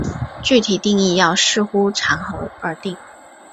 具体定义要视乎场合而定。